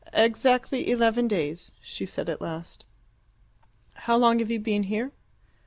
"Exactly eleven days," she said at last. "How long have you been here?"